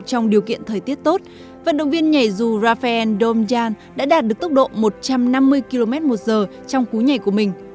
trong điều kiện thời tiết tốt vận động viên nhảy dù rafael domjan đã đạt được tốc độ một trăm năm mươi km một giờ trong cú nhảy của mình